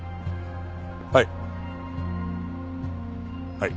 はい。